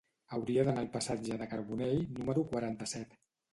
Hauria d'anar al passatge de Carbonell número quaranta-set.